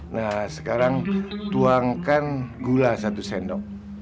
nah sekarang tuangkan gula satu sendok